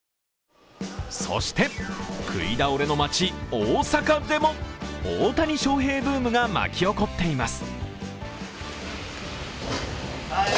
そして食い倒れの街・大阪でも大谷翔平ブームが巻き起こっています。